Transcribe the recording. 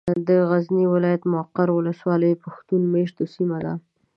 د غزني ولايت ، مقر ولسوالي پښتون مېشته سيمه ده.